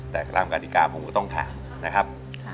แต่ตามกฎิกาผมก็ต้องถามนะครับ